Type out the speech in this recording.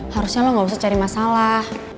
harusnya lo gak bisa cari masalah